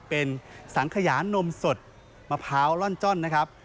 เป็นสังขยานมสดมะพร้าวร่อนจ้อนนะครับ